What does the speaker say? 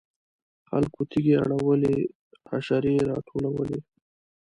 خلکو تیږې اړولې حشرې راټولولې.